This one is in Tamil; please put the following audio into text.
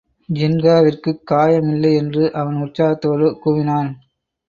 ஜின்காவிற்குக் காயம் இல்லை என்று அவன் உற்சாகத்தோடு கூவினான்.